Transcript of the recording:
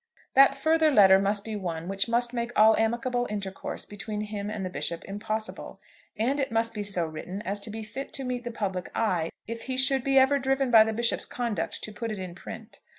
That further letter must be one which must make all amicable intercourse between him and the Bishop impossible. And it must be so written as to be fit to meet the public eye if he should be ever driven by the Bishop's conduct to put it in print.